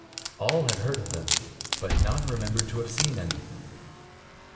All had heard of them, but nobody remembered to have seen any.